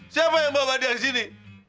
siapa yang bawa dia di sini